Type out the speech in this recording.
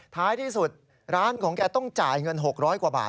ท้ายที่สุดร้านของแกต้องจ่ายเงิน๖๐๐กว่าบาท